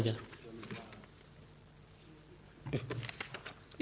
ya adanya kekosongan hukum di